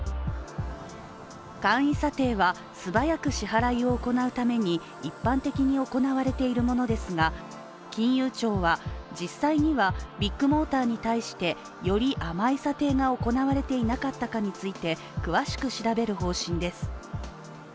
簡易査定は、素早く支払いを行うために一般的に行われているものですが金融庁は、実際にはビッグモーターに対してより甘い査定が行われていなかったかについて詳しく調べる方針です。